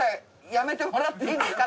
やめてもらっていいですか。